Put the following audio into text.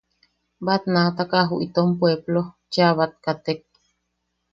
Batnaataka ju itom puepplo cheʼa bat katek.